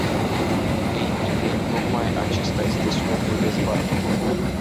Ei bine, tocmai acesta este scopul dezbaterii!